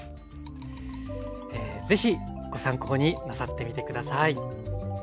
ぜひご参考になさってみて下さい。